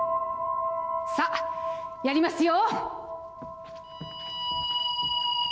さあやりますよ。